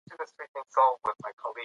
سترګې مې د رڼا په لیدلو روښانه شوې.